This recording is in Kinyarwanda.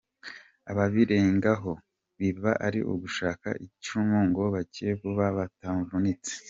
Ababirengaho, biba ari ugushaka icyacumi ngo bakire vuba batavunitse.